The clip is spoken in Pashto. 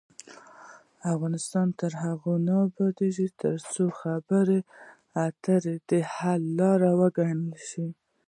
افغانستان تر هغو نه ابادیږي، ترڅو خبرې اترې د حل لار وګڼل شي.